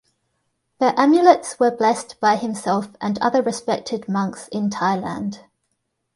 The amulets were blessed by himself and other respected monks in Thailand.